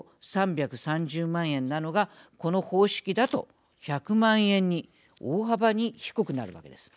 ３３０万円なのがこの方式だと１００万円に大幅に低くなるわけです。